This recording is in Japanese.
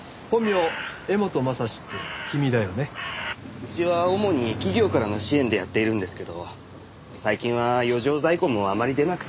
うちは主に企業からの支援でやっているんですけど最近は余剰在庫もあまり出なくて。